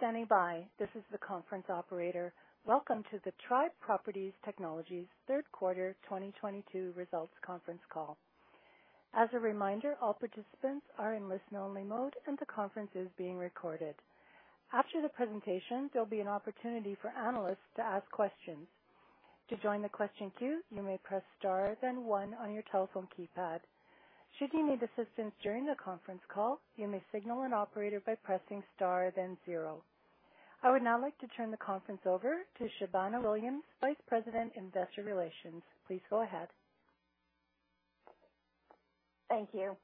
Thank you for standing by. This is the conference operator. Welcome to the Tribe Property Technologies third quarter 2022 results conference call. As a reminder, all participants are in listen-only mode, and the conference is being recorded. After the presentation, there'll be an opportunity for analysts to ask questions. To join the question queue, you may press star then one on your telephone keypad. Should you need assistance during the conference call, you may signal an operator by pressing star then zero. I would now like to turn the conference over to Shobana Williams, Vice President, Investor Relations. Please go ahead. Thank you,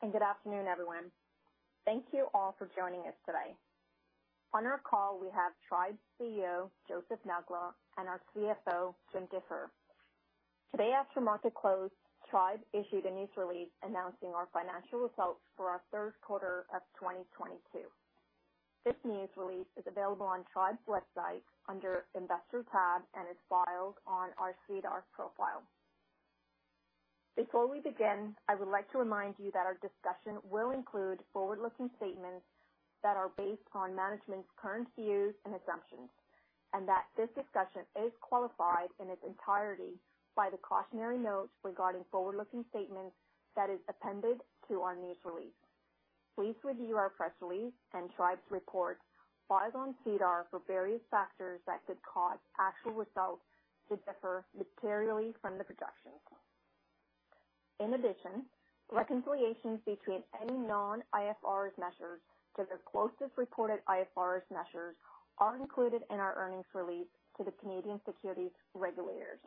good afternoon, everyone. Thank you all for joining us today. On our call, we have Tribe's CEO, Joseph Nakhla, and our CFO, Jim Defer. Today, after market close, Tribe issued a news release announcing our financial results for our 3rd quarter of 2022. This news release is available on Tribe's website under Investors tab and is filed on our SEDAR profile. Before we begin, I would like to remind you that our discussion will include forward-looking statements that are based on management's current views and assumptions, and that this discussion is qualified in its entirety by the cautionary note regarding forward-looking statements that is appended to our news release. Please review our press release and Tribe's report filed on SEDAR for various factors that could cause actual results to differ materially from the projections. In addition, reconciliations between any non-IFRS measures to their closest reported IFRS measures are included in our earnings release to the Canadian securities regulators.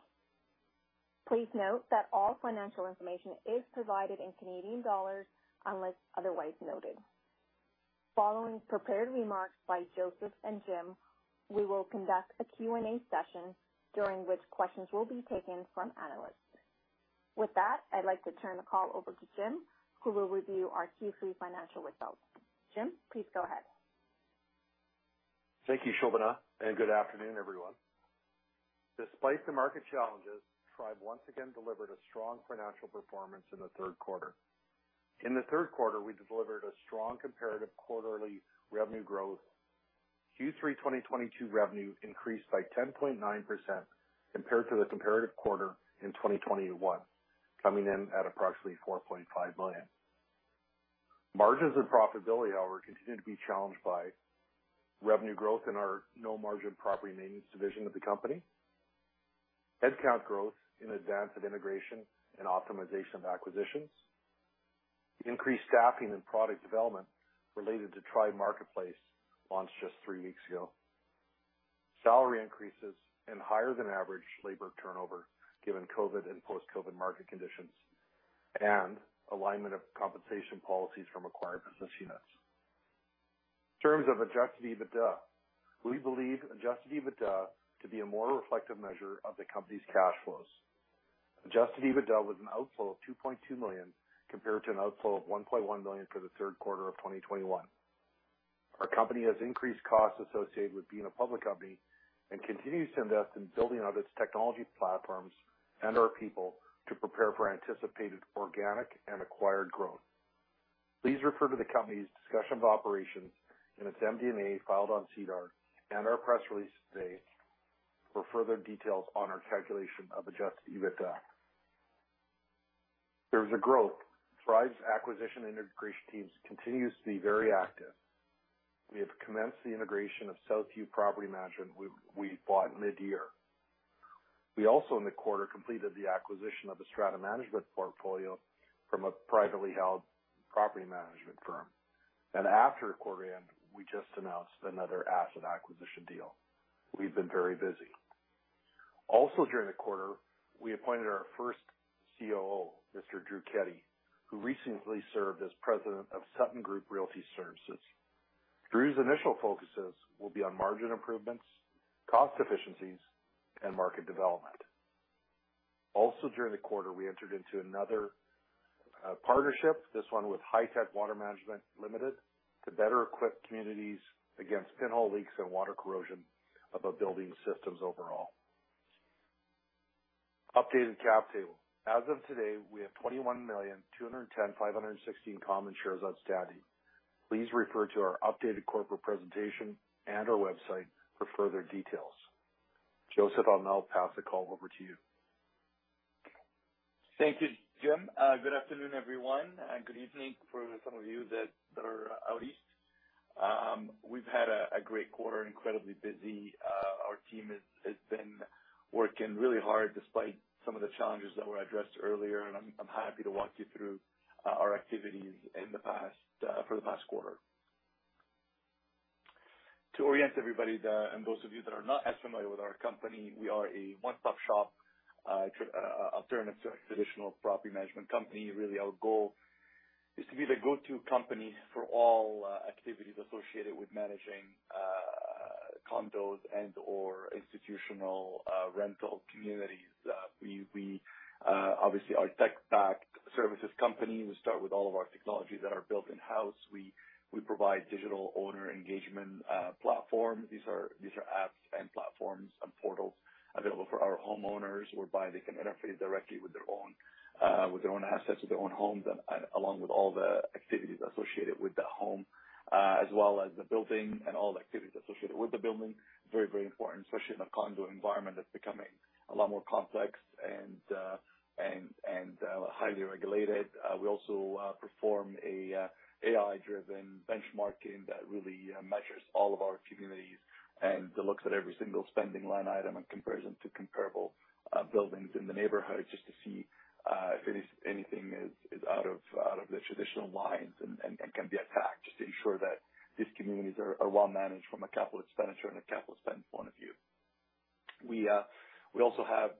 Please note that all financial information is provided in Canadian dollars unless otherwise noted. Following prepared remarks by Joseph and Jim, we will conduct a Q&A session during which questions will be taken from analysts. With that, I'd like to turn the call over to Jim, who will review our Q3 financial results. Jim, please go ahead. Thank you, Shobana, and good afternoon, everyone. Despite the market challenges, Tribe once again delivered a strong financial performance in the third quarter. In the third quarter, we delivered a strong comparative quarterly revenue growth. Q3 2022 revenue increased by 10.9% compared to the comparative quarter in 2021, coming in at approximately 4.5 million. Margins and profitability, however, continue to be challenged by revenue growth in our no-margin property maintenance division of the company, headcount growth in advance of integration and optimization of acquisitions, increased staffing and product development related to Tribe Marketplace launched just three weeks ago, salary increases and higher than average labor turnover given COVID and post-COVID market conditions, and alignment of compensation policies from acquired business units. In terms of Adjusted EBITDA, we believe Adjusted EBITDA to be a more reflective measure of the company's cash flows. Adjusted EBITDA was an outflow of 2.2 million compared to an outflow of 1.1 million for the third quarter of 2021. Our company has increased costs associated with being a public company and continues to invest in building out its technology platforms and our people to prepare for anticipated organic and acquired growth. Please refer to the company's discussion of operations in its MD&A filed on SEDAR and our press release today for further details on our calculation of Adjusted EBITDA. There's a growth. Tribe's acquisition and integration teams continue to be very active. We have commenced the integration of Southview Property Management we bought mid-year. We also in the quarter completed the acquisition of the Strata Management portfolio from a privately held property management firm. After quarter end, we just announced another asset acquisition deal. We've been very busy. Also during the quarter, we appointed our first COO, Mr. Drew Keddy, who recently served as president of Sutton Group Realty Services. Drew's initial focuses will be on margin improvements, cost efficiencies, and market development. Also during the quarter, we entered into another partnership, this one with Hytec Water Management Ltd., to better equip communities against pinhole leaks and water corrosion of a building's systems overall. Updated cap table. As of today, we have 21,210,516 common shares outstanding. Please refer to our updated corporate presentation and our website for further details. Joseph, I'll now pass the call over to you. Thank you, Jim. Good afternoon, everyone, good evening for some of you that are out east. We've had a great quarter, incredibly busy. Our team has been working really hard despite some of the challenges that were addressed earlier, and I'm happy to walk you through our activities in the past for the past quarter. To orient everybody and those of you that are not as familiar with our company, we are a one-stop-shop alternative to traditional property management company. Really our goal is to be the go-to company for all activities associated with managing condos and/or institutional rental communities. We obviously are a tech-backed services company. We start with all of our technologies that are built in-house. We provide digital owner engagement platform. These are apps and platforms and portals available for our homeowners whereby they can interface directly with their own assets or their own homes along with all the activities associated with that home. As well as the building and all the activities associated with the building. Very important, especially in a condo environment that's becoming a lot more complex and highly regulated. We also perform a AI-driven benchmarking that really measures all of our communities and looks at every single spending line item and compares them to comparable buildings in the neighborhood just to see if anything is out of the traditional lines and can be attacked to ensure that these communities are well managed from a capital expenditure and a capital spend point of view. We also have,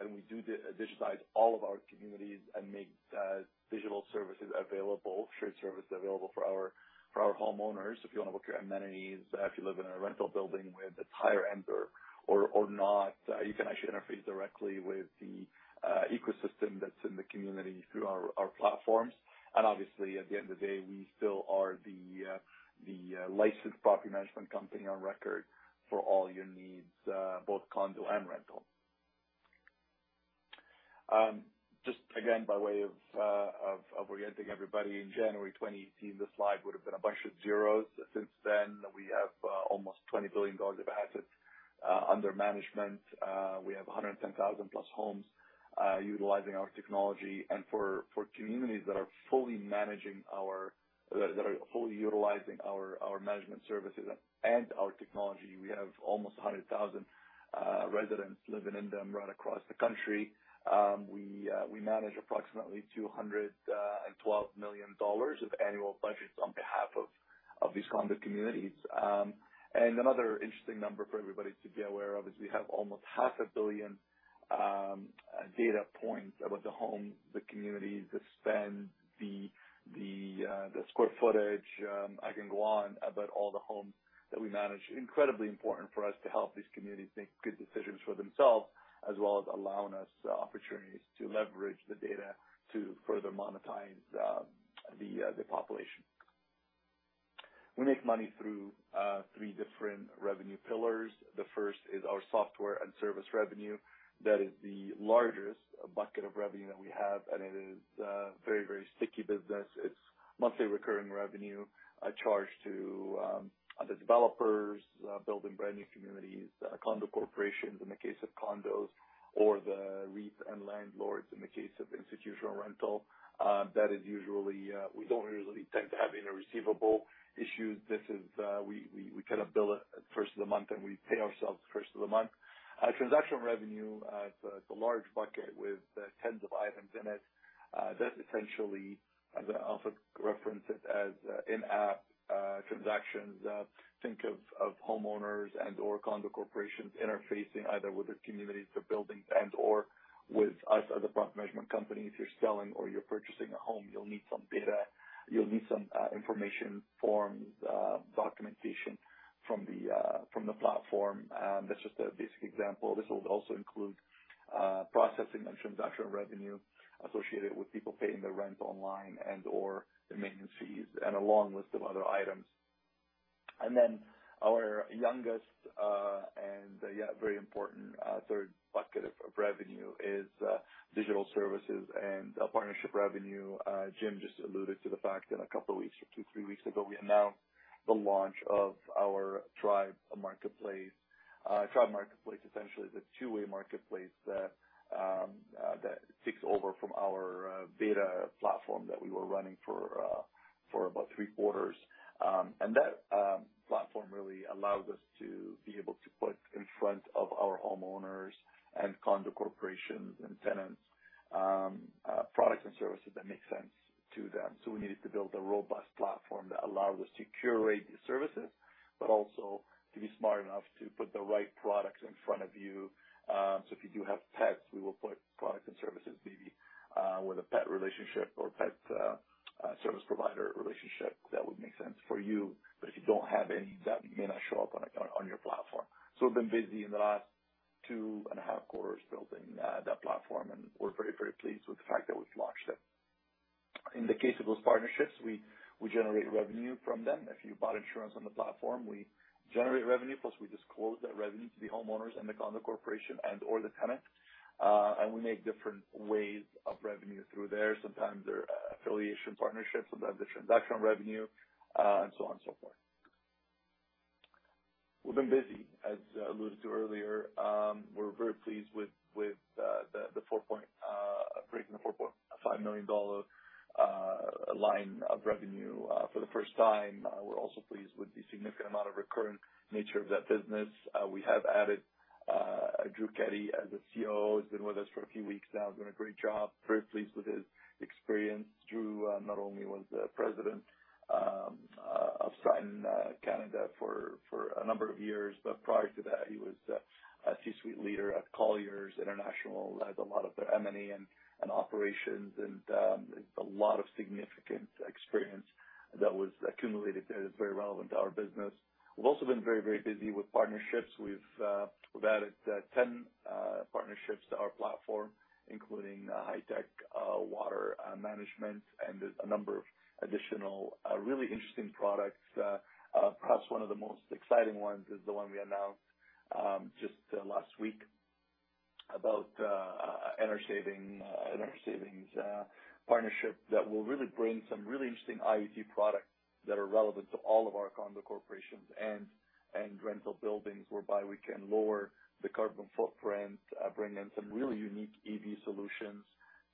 and we do digitize all of our communities and make digital services available, shared services available for our homeowners. If you want to look at your amenities, if you live in a rental building with a tenant or not, you can actually interface directly with the ecosystem that's in the community through our platforms. Obviously at the end of the day, we still are the licensed property management company on record for all your needs, both condo and rental. Just again, by way of orienting everybody, in January 2018, this slide would have been a bunch of zeros. Since then, we have almost 20 billion dollars of assets under management. We have 110,000 plus homes utilizing our technology. And for communities that are fully utilizing our management services and our technology, we have almost 100,000 residents living in them right across the country. We manage approximately 212 million dollars of annual budgets on behalf of these condo communities. And another interesting number for everybody to be aware of is we have almost half a billion data points about the home, the community, the spend, the square footage. I can go on about all the homes that we manage. Incredibly important for us to help these communities make good decisions for themselves, as well as allowing us opportunities to leverage the data to further monetize the population. We make money through three different revenue pillars. The first is our software and service revenue. That is the largest bucket of revenue that we have, and it is very, very sticky business. It's monthly recurring revenue charged to the developers building brand new communities, condo corporations in the case of condos or the REITs and landlords in the case of institutional rental. That is usually, we don't usually tend to have any receivable issues. This is, we kind of bill it first of the month, and we pay ourselves first of the month. Transactional revenue, it's a large bucket with tens of items in it. That's essentially, as I often reference it as, in-app transactions. Think of homeowners and/or condo corporations interfacing either with the communities they're building and/or with us as a property management company. If you're selling or you're purchasing a home, you'll need some data. You'll need some information forms, documentation from the, from the platform. That's just a basic example. This will also include processing and transactional revenue associated with people paying their rent online and/or their maintenance fees and a long list of other items. Our youngest, and yet very important, third bucket of revenue is digital services and partnership revenue. Jim just alluded to the fact that a couple weeks, two, three weeks ago, we announced the launch of our Tribe Marketplace. Tribe Marketplace essentially is a two-way marketplace that takes over from our beta platform that we were running for about three quarters. That platform really allows us to be able to put in front of our homeowners and condo corporations and tenants products and services that make sense to them. We needed to build a robust platform that allows us to curate these services, but also to be smart enough to put the right products in front of you. If you do have pets, we will put products and services maybe with a pet relationship or pet service provider relationship that would make sense for you. If you don't have any, that may not show up on your platform. We've been busy in the last two and a half quarters building that platform, and we're very, very pleased with the fact that we've launched it. In the case of those partnerships, we generate revenue from them. If you bought insurance on the platform, we generate revenue, plus we disclose that revenue to the homeowners and the condo corporation and/or the tenant. We make different ways of revenue through there. Sometimes they're affiliation partnerships, sometimes it's transactional revenue, and so on and so forth. We've been busy, as alluded to earlier. We're very pleased with the breaking the 4.5 million dollar line of revenue for the first time. We're also pleased with the significant amount of recurring nature of that business. We have added Drew Keddy as a COO. He's been with us for a few weeks now, doing a great job. Very pleased with his experience. Drew, not only was the president of Sutton in Canada for a number of years, but prior to that, he was a C-suite leader at Colliers International, led a lot of their M&A and operations, and a lot of significant experience that was accumulated there that's very relevant to our business. We've also been very busy with partnerships. We've added 10 partnerships to our platform, including high-tech water management and a number of additional really interesting products. Perhaps one of the most exciting ones is the one we announced just last week. About energy savings partnership that will really bring some really interesting IoT products that are relevant to all of our condo corporations and rental buildings, whereby we can lower the carbon footprint, bring in some really unique EV solutions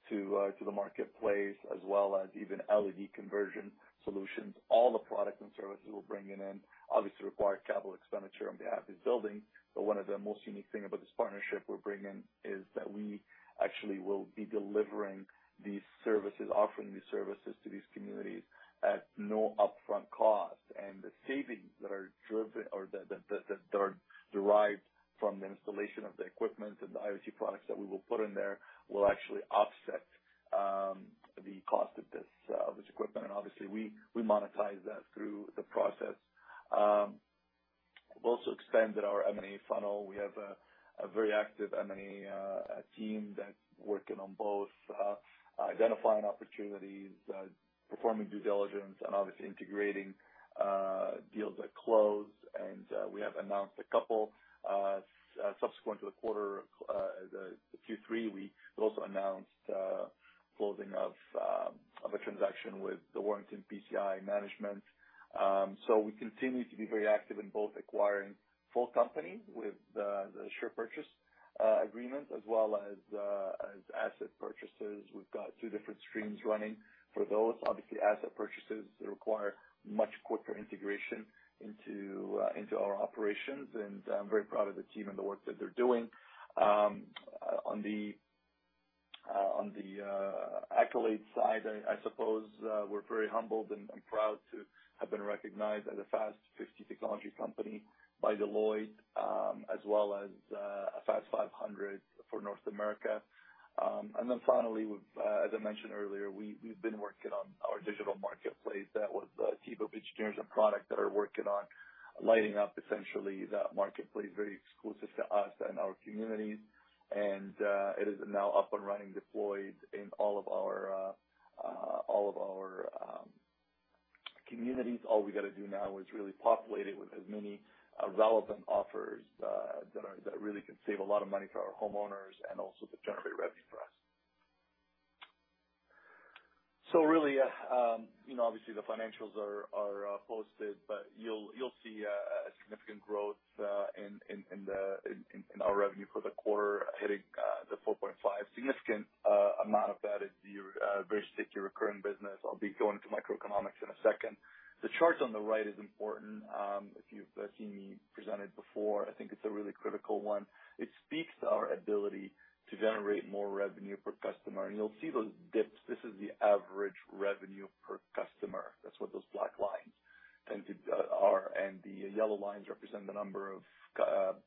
to the marketplace, as well as even LED conversion solutions. All the products and services we're bringing in obviously require capital expenditure on behalf of these buildings. One of the most unique thing about this partnership we're bringing is that we actually will be delivering these services, offering these services to these communities at no upfront cost. The savings that are driven or that are derived from the installation of the equipment and the IoT products that we will put in there will actually offset the cost of this equipment. Obviously we monetize that through the process. We've also expanded our M&A funnel. We have a very active M&A team that's working on both identifying opportunities, performing due diligence, and obviously integrating deals that close. We have announced a couple subsequent to the quarter, the Q3. We also announced closing of a transaction with the Warrington PCI Management. We continue to be very active in both acquiring full company with the share purchase agreement as well as asset purchases. We've got two different streams running for those. Obviously, asset purchases require much quicker integration into our operations, and I'm very proud of the team and the work that they're doing. On the accolade side, I suppose, we're very humbled and proud to have been recognized as a Technology Fast 50 company by Deloitte, as well as a Technology Fast 500 for North America. Finally, as I mentioned earlier, we've been working on our Tribe Marketplace. That was a team of engineers and product that are working on lighting up essentially that marketplace very exclusive to us and our communities. It is now up and running, deployed in all of our communities. All we gotta do now is really populate it with as many relevant offers that really can save a lot of money for our homeowners and also to generate revenue for us. Really, you know, obviously the financials are posted, but you'll see a significant growth in our revenue for the quarter hitting 4.5. Significant amount of that is your very sticky recurring business. I'll be going into microeconomics in a second. The chart on the right is important. If you've seen me present it before, I think it's a really critical one. It speaks to our ability to generate more revenue per customer. You'll see those dips. This is the average revenue per customer. That's what those black lines tend to are. The yellow lines represent the number of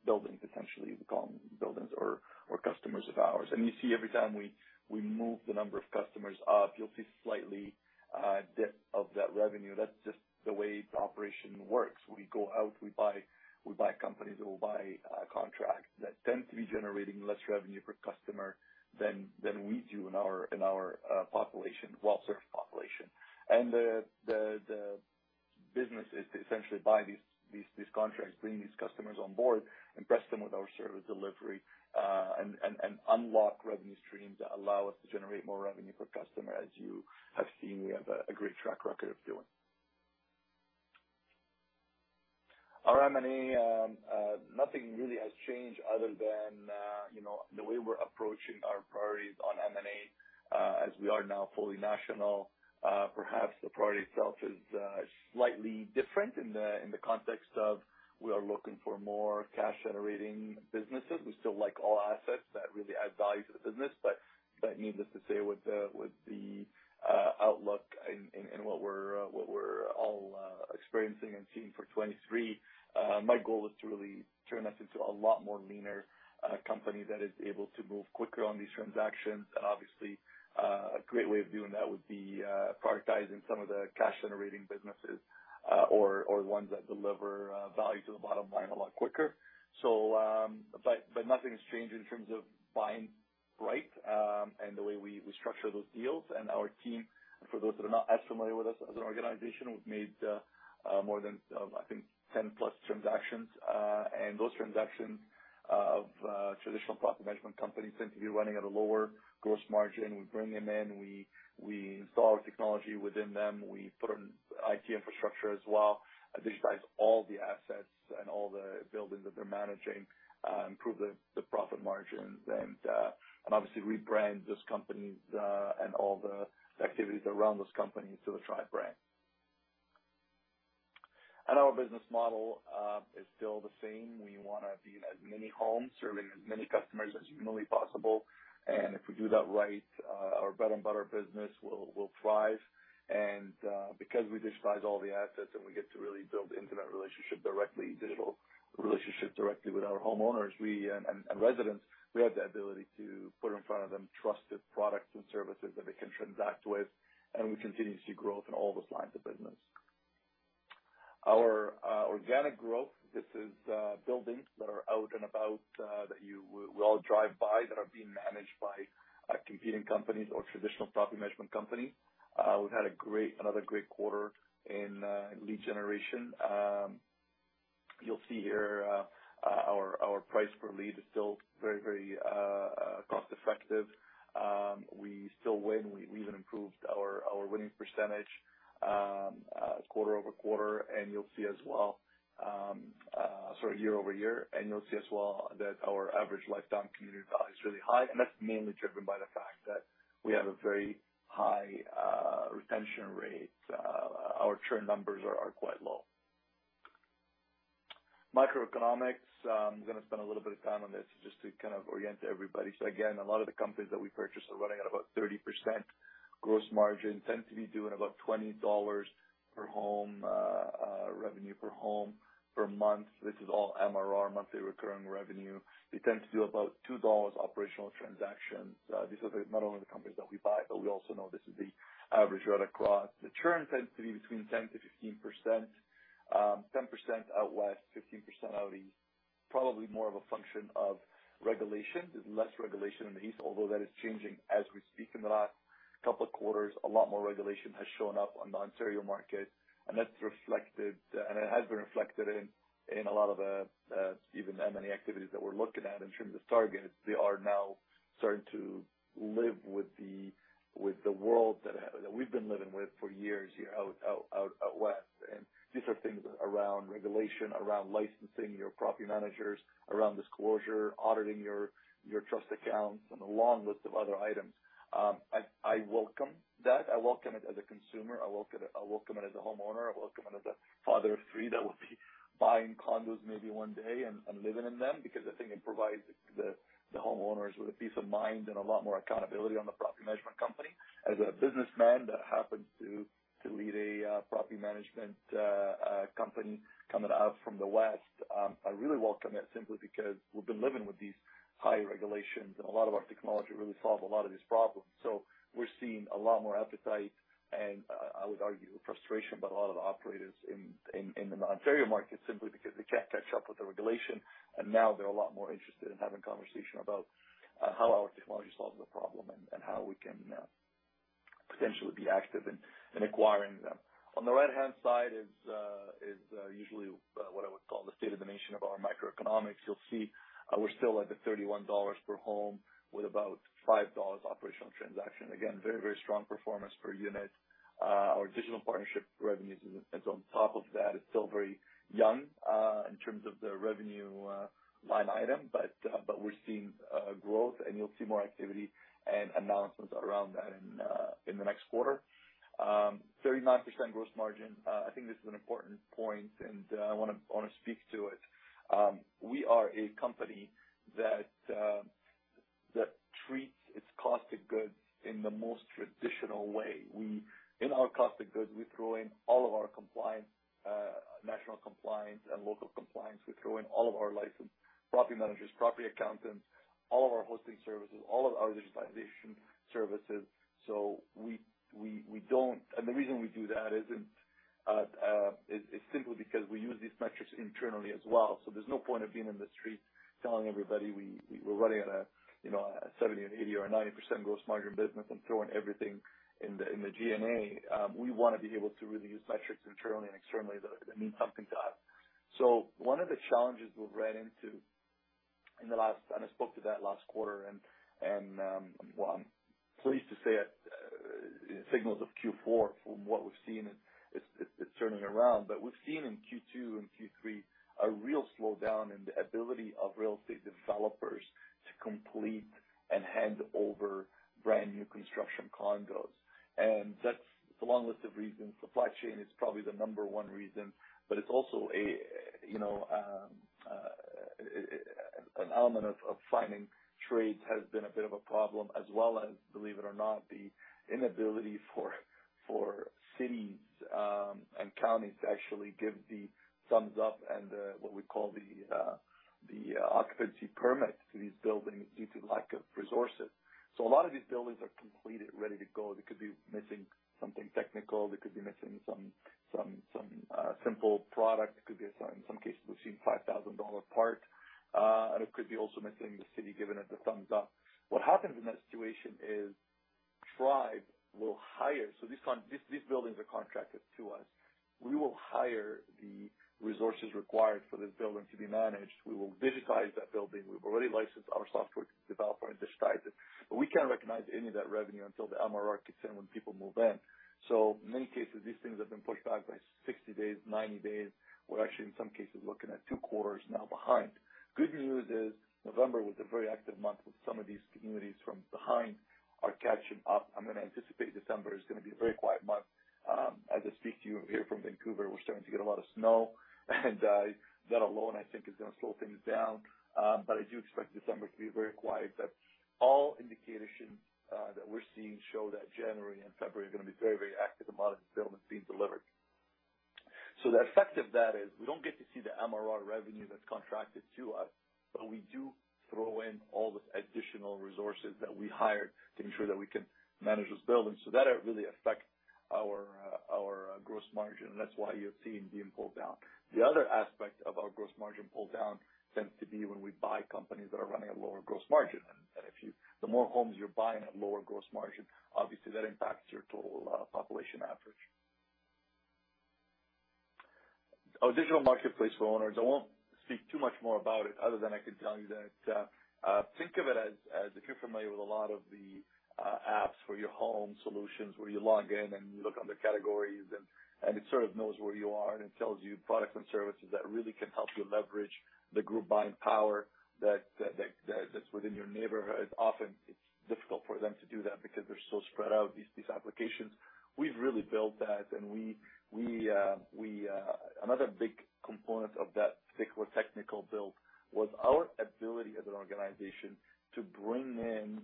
buildings, essentially, the condo buildings or customers of ours. You see every time we move the number of customers up, you'll see slightly dip of that revenue. That's just the way the operation works. We go out, we buy companies or we'll buy a contract that tend to be generating less revenue per customer than we do in our population, well-serviced population. The business is to essentially buy these contracts, bring these customers on board, impress them with our service delivery, and unlock revenue streams that allow us to generate more revenue per customer, as you have seen we have a great track record of doing. Our M&A, nothing really has changed other than, you know, the way we're approaching our priorities on M&A, as we are now fully national. Perhaps the priority itself is slightly different in the context of we are looking for more cash-generating businesses. We still like all assets that really add value to the business, but needless to say, with the outlook and what we're all experiencing and seeing for 23, my goal is to really turn us into a lot more leaner company that is able to move quicker on these transactions. Obviously, a great way of doing that would be prioritizing some of the cash-generating businesses, or ones that deliver value to the bottom line a lot quicker. Nothing's changed in terms of buying right, and the way we structure those deals. Our team, for those that are not as familiar with us as an organization, we've made more than, I think 10-plus transactions. Those transactions of traditional property management companies tend to be running at a lower gross margin. We bring them in, we install our technology within them. We put in IT infrastructure as well, digitize all the assets and all the buildings that they're managing, improve the profit margins and obviously rebrand those companies and all the activities around those companies to a Tribe brand. Our business model is still the same. We wanna be in as many homes, serving as many customers as humanly possible. If we do that right, our bread and butter business will thrive. Because we digitize all the assets and we get to really build intimate relationship directly, digital relationship directly with our homeowners and residents, we have the ability to put in front of them trusted products and services that they can transact with. We continue to see growth in all those lines of business. Our organic growth, this is buildings that are out and about that you will drive by that are being managed by competing companies or traditional property management companies. We've had another great quarter in lead generation. You'll see here, our price per lead is still very cost-effective. We still win. We even improved our winning percentage quarter-over-quarter. You'll see as well, sorry, year-over-year. You'll see as well that our average lifetime community value is really high. That's mainly driven by the fact that we have a very high retention rate. Our churn numbers are quite low. Microeconomics, I'm gonna spend a little bit of time on this just to kind of orient everybody. Again, a lot of the companies that we purchase are running at about 30% gross margin, tend to be doing about 20 dollars per home, revenue per home per month. This is all MRR, monthly recurring revenue. They tend to do about 2 dollars operational transactions. These are not only the companies that we buy, but we also know this is the average right across. The churn tends to be between 10%-15%. 10% out West, 15% out East. Probably more of a function of regulation. There's less regulation in the East, although that is changing as we speak. In the last couple of quarters, a lot more regulation has shown up on the Ontario market, and that's reflected, and it has been reflected in a lot of even M&A activities that we're looking at in terms of targets. They are now starting to live with the world that we've been living with for years out West. These are things around regulation, around licensing your property managers, around disclosure, auditing your trust accounts, and a long list of other items. I welcome that. I welcome it as a consumer. I welcome it as a homeowner. I welcome it as a father of three that will be buying condos maybe one day and living in them because I think it provides the homeowners with a peace of mind and a lot more accountability on the property management company. As a businessman that happens to lead a property management company coming out from the West, I really welcome it simply because we've been living with these high regulations, and a lot of our technology really solve a lot of these problems. We're seeing a lot more appetite and I would argue frustration by a lot of the operators in the Ontario market simply because they can't catch up with the regulation. Now they're a lot more interested in having conversation about how our technology solves the problem and how we can potentially be active in acquiring them. On the right-hand side is usually what I would call the state of the nation of our microeconomics. You'll see, we're still at the 31 dollars per home with about 5 dollars operational transaction. Again, very, very strong performance per unit. Our digital partnership revenues is on top of that. It's still very young, in terms of the revenue line item, but we're seeing growth, and you'll see more activity and announcements around that in the next quarter. 39% gross margin. I think this is an important point, and I wanna speak to it. We are a company that treats its cost of goods in the most traditional way. In our cost of goods, we throw in all of our compliance, national compliance and local compliance. We throw in all of our license, property managers, property accountants, all of our hosting services, all of our digitization services. We don't. The reason we do that isn't simply because we use these metrics internally as well. There's no point of being in the street telling everybody we're running at a, you know, a 70%, an 80% or a 90% gross margin business and throwing everything in the, in the G&A. We wanna be able to really use metrics internally and externally that mean something to us. One of the challenges we've ran into in the last-- I spoke to that last quarter and, well, I'm pleased to say that, you know, signals of Q4 from what we've seen it's turning around. We've seen in Q2 and Q3 a real slowdown in the ability of real estate developers to complete and hand over brand-new construction condos. That's a long list of reasons. Supply chain is probably the number one reason, but it's also a, you know, an element of finding trades has been a bit of a problem as well as, believe it or not, the inability for cities and counties to actually give the thumbs up and what we call the occupancy permit to these buildings due to lack of resources. A lot of these buildings are completed, ready to go. They could be missing something technical. They could be missing some simple product. It could be In some cases, we've seen 5,000 dollar part. It could be also missing the city giving it the thumbs up. What happens in that situation is Tribe will hire. These buildings are contracted to us. We will hire the resources required for this building to be managed. We will digitize that building. We've already licensed our software to develop and digitize it. We can't recognize any of that revenue until the MRR kicks in when people move in. In many cases, these things have been pushed back by 60 days, 90 days. We're actually in some cases looking at two quarters now behind. Good news is November was a very active month with some of these communities from behind are catching up. I'm gonna anticipate December is gonna be a very quiet month. As I speak to you here from Vancouver, we're starting to get a lot of snow and that alone I think is gonna slow things down. I do expect December to be very quiet, but all indications that we're seeing show that January and February are gonna be very, very active amount of development being delivered. The effect of that is we don't get to see the MRR revenue that's contracted to us, but we do throw in all the additional resources that we hired to ensure that we can manage this building. That really affect our gross margin, and that's why you're seeing being pulled down. The other aspect of our gross margin pull down tends to be when we buy companies that are running a lower gross margin. The more homes you're buying at lower gross margin, obviously that impacts your total, population average. Our digital Marketplace for owners, I won't speak too much more about it other than I can tell you that, think of it as if you're familiar with a lot of the apps for your home solutions, where you log in and you look under categories and, it sort of knows where you are, and it tells you products and services that really can help you leverage the group buying power that's within your neighborhood. Often, it's difficult for them to do that because they're so spread out, these applications. We've really built that. Another big component of that thick technical build was our ability as an organization to bring in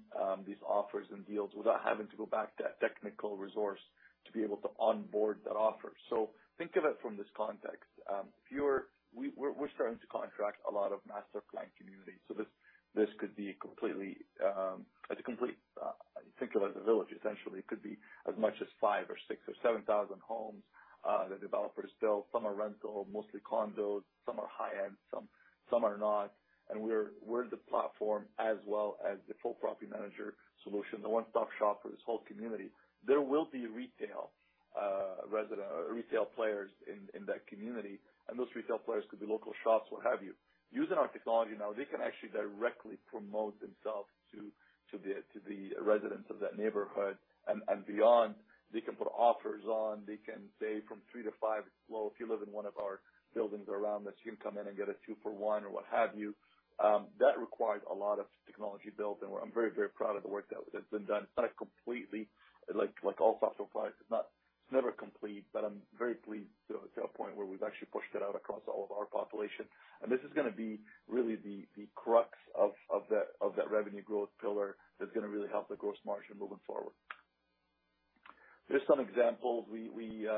these offers and deals without having to go back to that technical resource to be able to onboard that offer. Think of it from this context. We're starting to contract a lot of master planned communities. This could be completely, it's a complete, think of it as a village, essentially. It could be as much as five or six or seven thousand homes the developers built. Some are rental, mostly condos. Some are high-end, some are not. We're the platform as well as the full property manager solution, the one-stop shop for this whole community. There will be retail, resident or retail players in that community, and those retail players could be local shops, what have you. Using our technology now, they can actually directly promote themselves to the residents of that neighborhood and beyond. They can put offers on. They can say from three to five, "Well, if you live in one of our buildings around us, you can come in and get a two for one," or what have you. That requires a lot of technology built, and I'm very, very proud of the work that has been done. It's not a completely like all software products, it's never complete, but I'm very pleased that we're at a point where we've actually pushed it out across all of our population. This is gonna be really the crux of that revenue growth pillar that's gonna really help the gross margin moving forward. Just some examples. We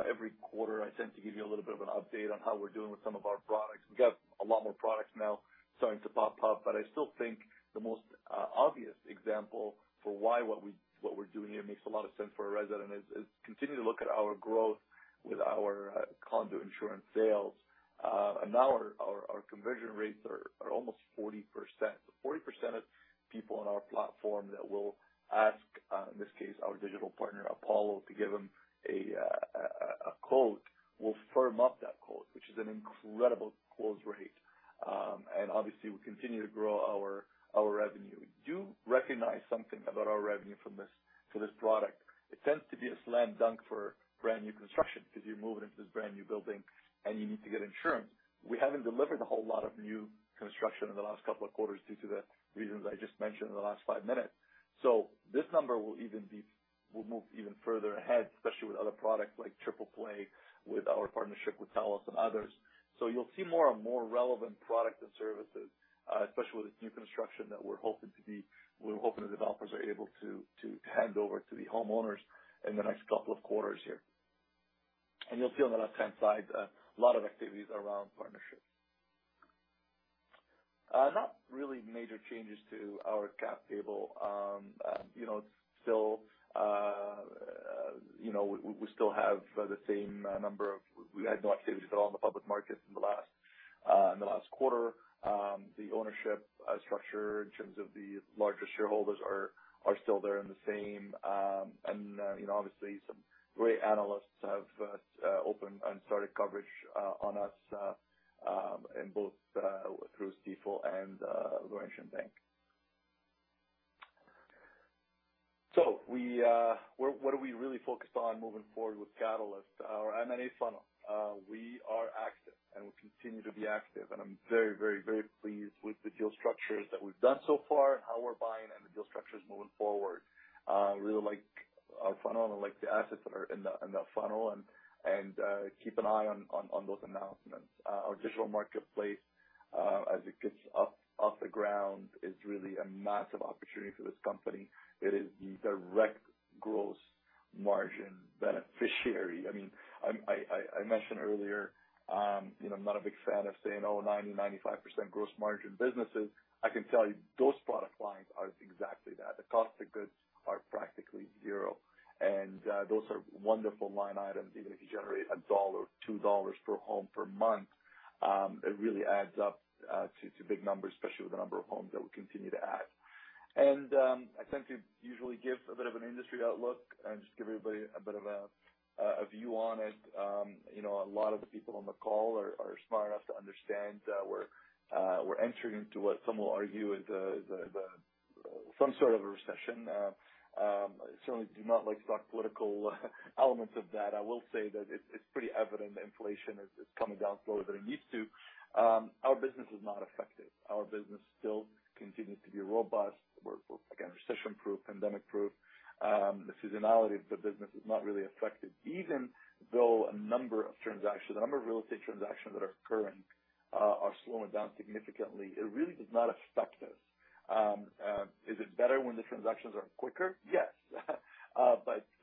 every quarter, I tend to give you a little bit of an update on how we're doing with some of our products. We've got a lot more products now starting to pop up. I still think the most obvious example for why what we, what we're doing here makes a lot of sense for a resident is continue to look at our growth with our condo insurance sales. Now our conversion rates are almost 40%. 40% of people on our platform that will ask, in this case, our digital partner, APOLLO, to give them a quote, will firm up that quote, which is an incredible close rate. Obviously, we continue to grow our revenue. Do recognize something about our revenue from this, so this product. It tends to be a slam dunk for brand new construction because you're moving into this brand new building and you need to get insurance. We haven't delivered a whole lot of new construction in the last couple of quarters due to the reasons I just mentioned in the last five minutes. This number will move even further ahead, especially with other products like Triple Play, with our partnership with TELUS and others. You'll see more and more relevant products and services, especially with the new construction that we're hoping the developers are able to hand over to the homeowners in the next couple of quarters here. You'll see on the left-hand side, a lot of activities around partnerships. Not really major changes to our cap table. You know, it's still, you know, we still have the same. We had no activities at all in the public markets in the last, in the last quarter. The ownership structure in terms of the largest shareholders are still there and the same. You know, obviously some great analysts have opened and started coverage on us in both through Stifel and Laurentian Bank. We, what are we really focused on moving forward with Catalyst? Our M&A funnel. We are active and we continue to be active, and I'm very pleased with the deal structures that we've done so far and how we're buying and the deal structures moving forward. Really like our funnel and like the assets that are in the, in the funnel and keep an eye on those announcements. Our Tribe Marketplace, as it gets up off the ground, is really a massive opportunity for this company. It is the direct gross margin beneficiary. I mean, I mentioned earlier, you know, I'm not a big fan of saying, oh, 90-95% gross margin businesses. I can tell you those product lines are exactly that. The cost of goods are practically zero. Those are wonderful line items. Even if you generate CAD 1, 2 dollars per home per month, it really adds up to big numbers, especially with the number of homes that we continue to add. I tend to usually give a bit of an industry outlook and just give everybody a bit of a view on it. You know, a lot of the people on the call are smart enough to understand we're entering into what some will argue is some sort of a recession. I certainly do not like to talk political elements of that. I will say that it's pretty evident inflation is coming down slower than it needs to. Our business is not affected. Our business still continues to be robust. Again, recession-proof, pandemic-proof. The seasonality of the business is not really affected. Even though a number of transactions, the number of real estate transactions that are occurring, are slowing down significantly, it really does not affect us. Is it better when the transactions are quicker? Yes.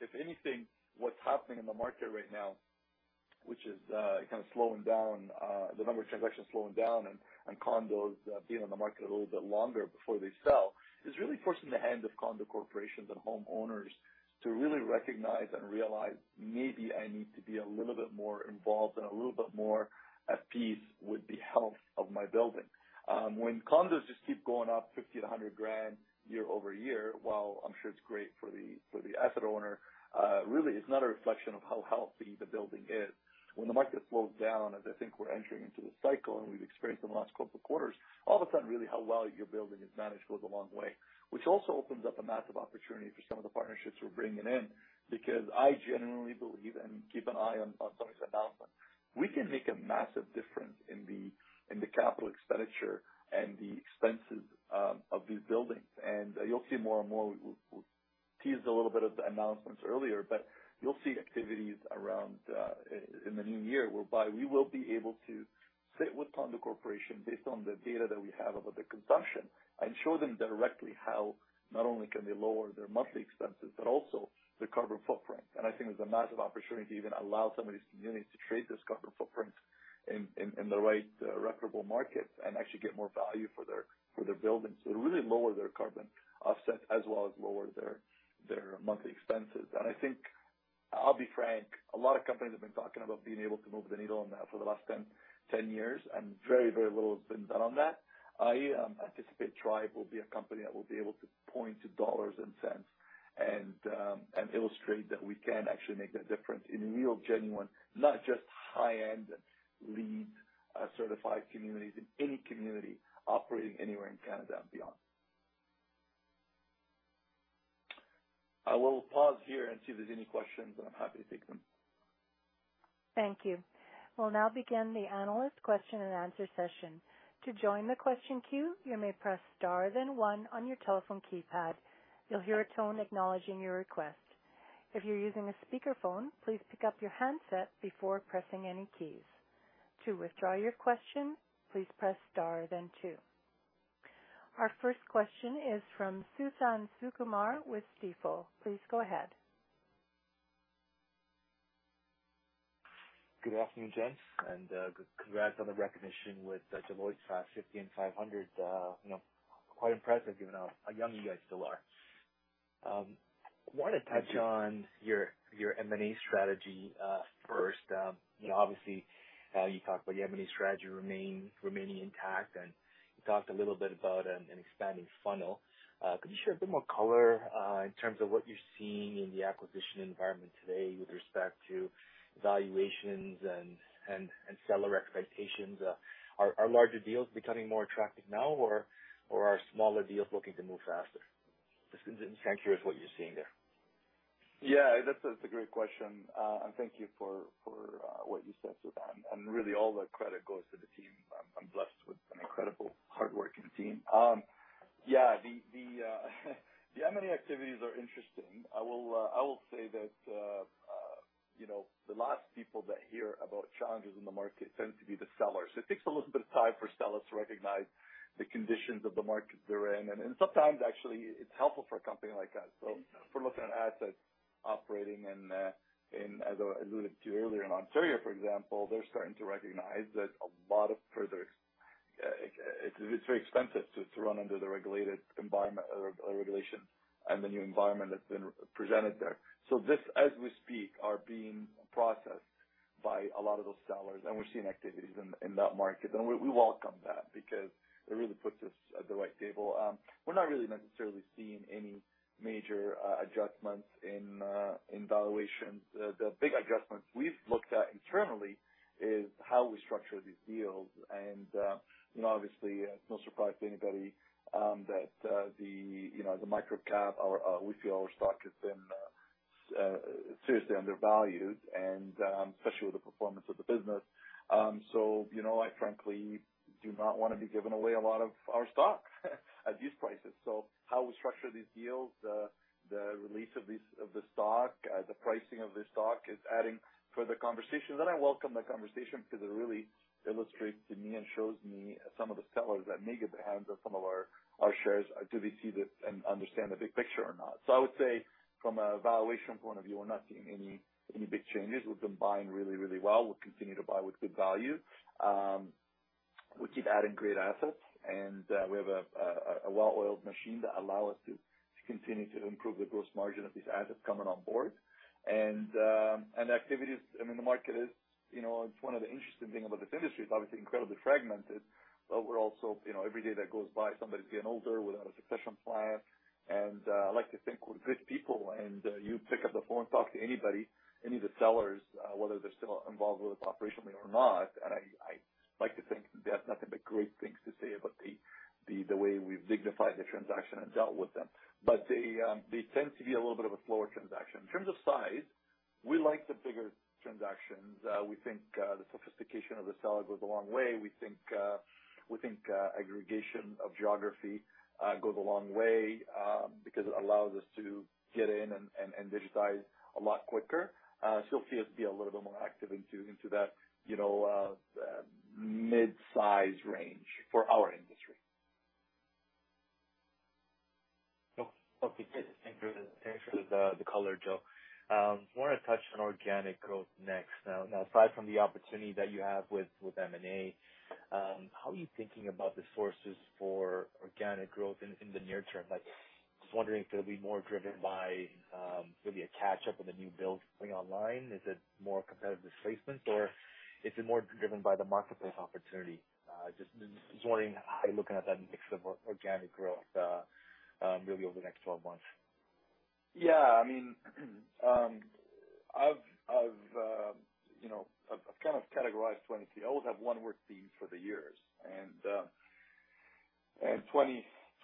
If anything, what's happening in the market right now, which is kind of slowing down, the number of transactions slowing down and condos being on the market a little bit longer before they sell, is really forcing the hand of condo corporations and homeowners to really recognize and realize, maybe I need to be a little bit more involved and a little bit more at peace with the health of my building. When condos just keep going up 50 grand-CAD 100 grand year over year, while I'm sure it's great for the, for the asset owner, really it's not a reflection of how healthy the building is. When the market slows down, as I think we're entering into this cycle and we've experienced in the last couple of quarters, all of a sudden really how well your building is managed goes a long way, which also opens up a massive opportunity for some of the partnerships we're bringing in. I generally believe and keep an eye on some of these announcements. We can make a massive difference in the capital expenditure and the expenses of these buildings. You'll see more and more. We teased a little bit of the announcements earlier. You'll see activities around in the new year whereby we will be able to sit with condo corporations based on the data that we have about their consumption and show them directly how not only can they lower their monthly expenses but also their carbon footprint. I think there's a massive opportunity to even allow some of these communities to trade those carbon footprints in the right recordable markets and actually get more value for their buildings to really lower their carbon offset as well as lower their monthly expenses. I think, I'll be frank, a lot of companies have been talking about being able to move the needle on that for the last 10 years, and very little has been done on that. I anticipate Tribe will be a company that will be able to point to dollars and cents and illustrate that we can actually make that difference in a real genuine, not just high-end LEED certified communities, in any community operating anywhere in Canada and beyond. I will pause here and see if there's any questions, and I'm happy to take them. Thank you. We'll now begin the analyst question and answer session. To join the question queue, you may press star then one on your telephone keypad. You'll hear a tone acknowledging your request. If you're using a speakerphone, please pick up your handset before pressing any keys. To withdraw your question, please press star then two. Our first question is from Suthan Sukumar with Stifel. Please go ahead. Good morning, gents. Congrats on the recognition with Deloitte Fast 50 and 500. You know, quite impressive given how young you guys still are. Thank you. -on your M&A strategy first. You know, obviously, you talked about your M&A strategy remaining intact, and you talked a little bit about an expanding funnel. Could you share a bit more color in terms of what you're seeing in the acquisition environment today with respect to valuations and seller expectations? Are larger deals becoming more attractive now, or are smaller deals looking to move faster? Just kind of curious what you're seeing there. Yeah, that's a great question. Thank you for what you said, Suthan. Really all the credit goes to the team. I'm blessed with an incredible hardworking team. Yeah, the M&A activities are interesting. I will say that, you know, the last people that hear about challenges in the market tend to be the sellers. It takes a little bit of time for sellers to recognize the conditions of the market they're in. Sometimes actually it's helpful for a company like us. If we're looking at assets operating in, as I alluded to earlier, in Ontario, for example, they're starting to recognize that a lot of preserves, it's very expensive to run under the regulated environment or regulation and the new environment that's been presented there. This, as we speak, are being processed by a lot of those sellers, and we're seeing activities in that market. We, we welcome that because it really puts us at the right table. We're not really necessarily seeing any major, adjustments in valuations. The, the big adjustments we've looked at internally is how we structure these deals. You know, obviously it's no surprise to anybody, that, the, you know, the microcap or, we feel our stock has been seriously undervalued and, especially with the performance of the business. You know, I frankly do not wanna be giving away a lot of our stock at these prices. How we structure these deals, the release of the stock, the pricing of the stock is adding further conversation. I welcome the conversation because it really illustrates to me and shows me some of the sellers that may get their hands on some of our shares, do they see and understand the big picture or not. I would say from a valuation point of view, we're not seeing any big changes. We've been buying really, really well. We'll continue to buy with good value. We keep adding great assets, and we have a well-oiled machine that allow us to continue to improve the gross margin of these assets coming on board. Activities, I mean, the market is, you know, it's one of the interesting thing about this industry, it's obviously incredibly fragmented, but we're also, you know, every day that goes by, somebody's getting older without a succession plan. I like to think we're good people, and you pick up the phone, talk to anybody, any of the sellers, whether they're still involved with us operationally or not, and I like to think they have nothing but great things to say about the way we've dignified the transaction and dealt with them. They tend to be a little bit of a slower transaction. In terms of size, we like the bigger transactions. We think the sophistication of the seller goes a long way. We think we think aggregation of geography goes a long way because it allows us to get in and digitize a lot quicker. You'll see us be a little bit more active into that, you know, mid-size range for our industry. Okay. Just thank you. Thanks for the color, Joe. Wanna touch on organic growth next. Now aside from the opportunity that you have with M&A, how are you thinking about the sources for organic growth in the near term? Just wondering if it'll be more driven by maybe a catch-up of the new builds coming online. Is it more competitive displacement or is it more driven by the marketplace opportunity? Just wondering how you're looking at that mix of organic growth really over the next 12 months. Yeah, I mean, you know, I've kind of categorized 22. I always have one word theme for the years and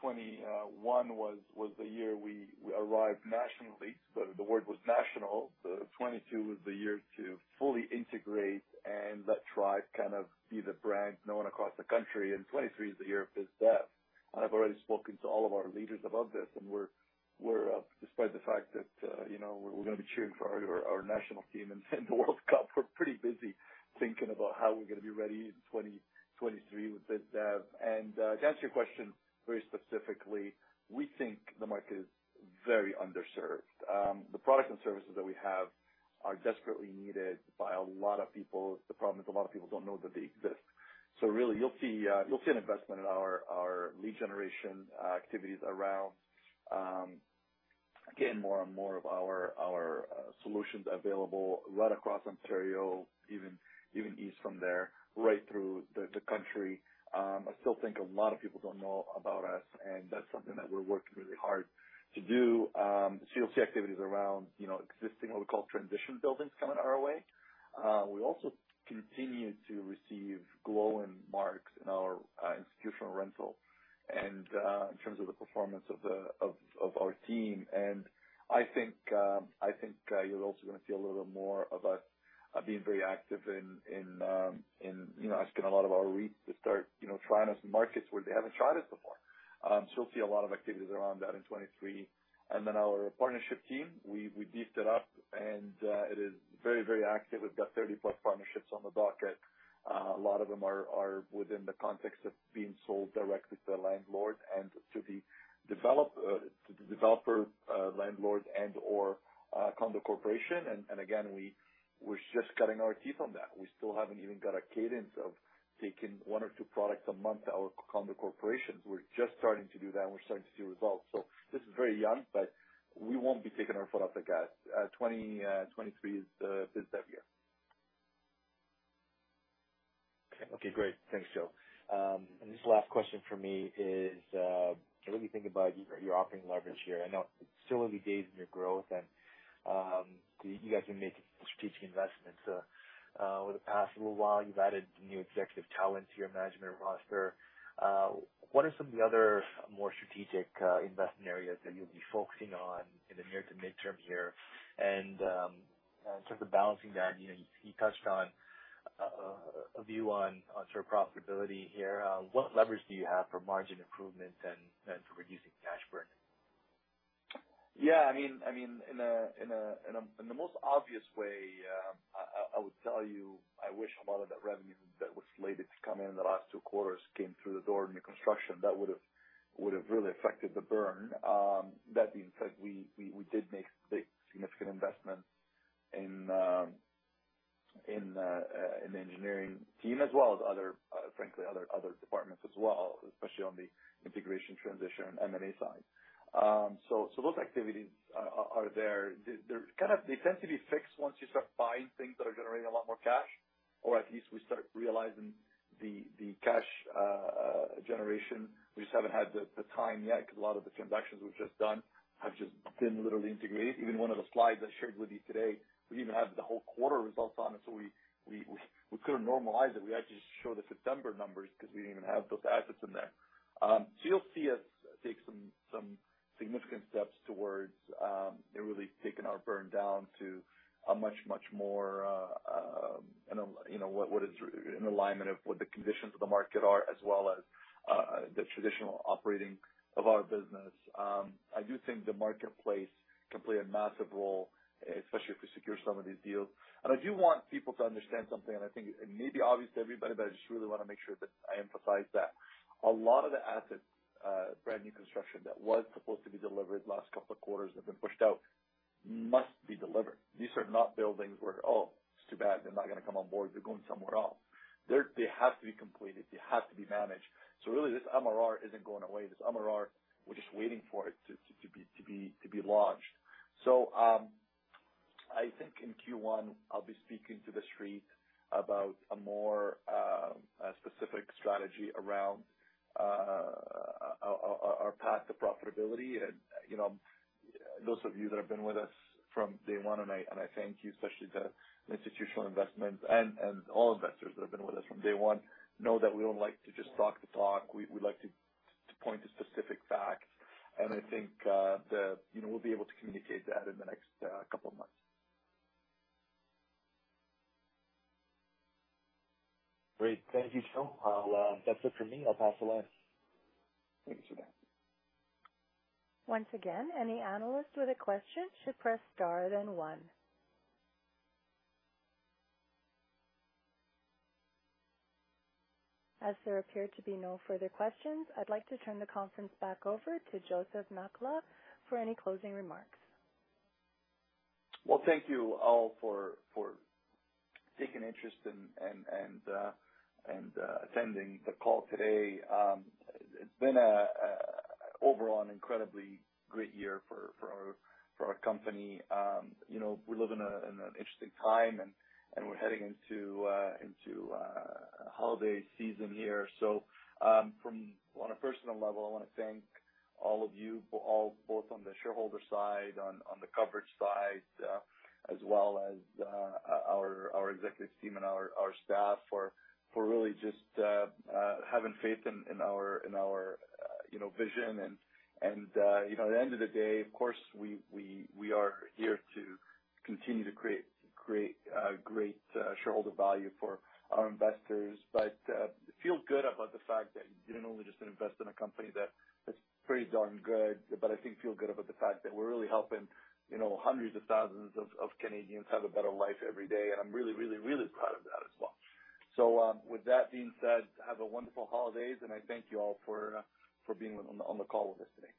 2021 was the year we arrived nationally. So the word was national. The 22 was the year to fully integrate and let Tribe kind of be the brand known across the country. 23 is the year of BizDev. I've already spoken to all of our leaders about this. We're despite the fact that, you know, we're gonna be cheering for our national team in the World Cup, we're pretty busy thinking about how we're gonna be ready in 2023 with BizDev. To answer your question very specifically, we think the market is very underserved. The products and services that we have are desperately needed by a lot of people. The problem is a lot of people don't know that they exist. Really you'll see an investment in our lead generation activities around getting more and more of our solutions available right across Ontario, even east from there, right through the country. I still think a lot of people don't know about us, and that's something that we're working really hard to do. You'll see activities around, you know, existing, what we call transition buildings coming our way. We also continue to receive glowing marks in our institutional rental and in terms of the performance of our team. I think you're also gonna see a little more of us being very active in, you know, asking a lot of our REITs to start, you know, trying us in markets where they haven't tried us before. You'll see a lot of activities around that in 2023. Our partnership team, we beefed it up and it is very, very active. We've got 30-plus partnerships on the docket. A lot of them are within the context of being sold directly to the landlord and to the developer, landlord and/or condo corporation. Again, we're just cutting our teeth on that. We still haven't even got a cadence of taking one or two products a month out of condo corporations. We're just starting to do that, and we're starting to see results. This is very young, but we won't be taking our foot off the gas. 2023 is the BizDev year. Okay. Okay, great. Thanks, Joe. This last question from me is, when you think about your operating leverage here, I know it's still early days in your growth and you guys have been making strategic investments. Over the past little while you've added new executive talent to your management roster. What are some of the other more strategic, investment areas that you'll be focusing on in the near to mid-term here? In terms of balancing that, you know, you touched on a view on sort of profitability here. What leverage do you have for margin improvement and for reducing cash burn? I mean, in the most obvious way, I would tell you, I wish a lot of that revenue that was slated to come in in the last two quarters came through the door in the construction. That would've really affected the burn. That being said, we did make big significant investments in the engineering team as well as other, frankly other departments as well, especially on the integration transition and M&A side. So those activities are there. They're kind of they tend to be fixed once you start buying things that are generating a lot more cash, or at least we start realizing the cash generation. We just haven't had the time yet 'cause a lot of the transactions we've just done have just been literally integrated. Even one of the slides I shared with you today, we didn't even have the whole quarter results on it, so we couldn't normalize it. We had to just show the September numbers 'cause we didn't even have those assets in there. You'll see us take some significant steps towards really taking our burn down to a much more, you know, what is in alignment of what the conditions of the market are as well as the traditional operating of our business. I do think the Marketplace can play a massive role, especially if we secure some of these deals. I do want people to understand something, and I think it may be obvious to everybody, but I just really wanna make sure that I emphasize that. A lot of the assets, brand new construction that was supposed to be delivered last couple of quarters have been pushed out, must be delivered. These are not buildings where, "Oh, it's too bad they're not gonna come on board, they're going somewhere else." They have to be completed, they have to be managed. Really this MRR isn't going away. This MRR, we're just waiting for it to be launched. I think in Q1, I'll be speaking to the street about a more specific strategy around our path to profitability. You know, those of you that have been with us from day one, and I thank you, especially the institutional investments and all investors that have been with us from day one, know that we don't like to just talk the talk. We like to point to specific facts. I think, You know, we'll be able to communicate that in the next couple of months. Great. Thank you, Joe. That's it for me. I'll pass along. Thank you for that. Once again, any analyst with a question should press star then one. As there appear to be no further questions, I'd like to turn the conference back over to Joseph Nakhla for any closing remarks. Well, thank you all for taking interest and attending the call today. It's been overall an incredibly great year for our company. You know, we live in an interesting time and we're heading into holiday season here. From on a personal level, I wanna thank all of you all, both on the shareholder side, on the coverage side, as well as our executive team and our staff for really just having faith in our, you know, vision. You know, at the end of the day, of course, we are here to continue to create great shareholder value for our investors. Feel good about the fact that you didn't only just invest in a company that is pretty darn good, but I think feel good about the fact that we're really helping, you know, hundreds of thousands of Canadians have a better life every day. I'm really, really, really proud of that as well. With that being said, have a wonderful holidays, and I thank you all for being on the call with us today.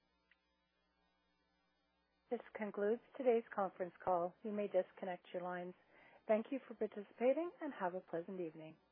This concludes today's conference call. You may disconnect your lines. Thank you for participating and have a pleasant evening.